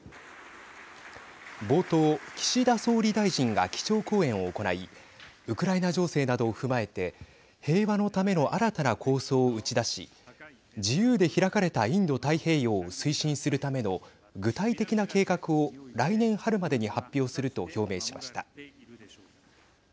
冒頭、岸田総理大臣が基調講演を行いウクライナ情勢などを踏まえて平和のための新たな構想を打ち出し自由で開かれたインド太平洋を推進するための具体的な計画を来年春までに発表すると表明しました。